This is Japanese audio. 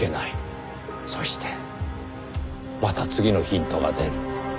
そしてまた次のヒントが出る。